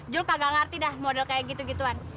jul kagak ngerti dah model kayak gitu gituan